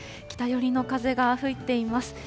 北寄りの風が吹いています。